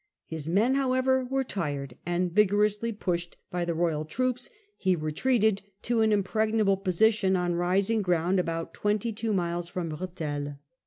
His men however were tired, and, vigorously pushed by the royal troops, he retreated to an impregnable position on rising ground about twenty two miles from Rethei.